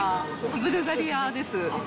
ブルガリアです。